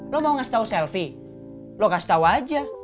lo mau ngasih tau selfie lo kasih tau aja